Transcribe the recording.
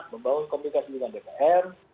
membangun komunikasi dengan dpr